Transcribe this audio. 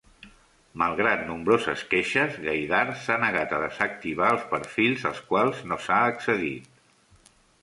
Malgrat nombroses queixes, Gaydar s'ha negat a desactivat els perfils als quals no s'ha accedit.